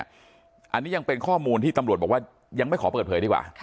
อันนี้ยังเป็นข้อมูลที่ตำรวจบอกว่ายังไม่ขอเปิดเผยดีกว่า